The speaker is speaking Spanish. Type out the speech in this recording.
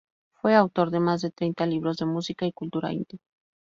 Fue autor de más de treinta libros de música y cultura hindú.